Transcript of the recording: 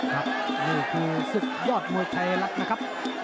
ครับนี่คือศึกยอดมวยไทยรัฐนะครับ